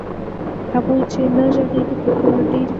هغوئ چي نه ږغيږي ترټولو ډير پوهيږي